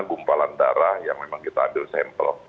gumpalan darah yang memang kita ambil sampel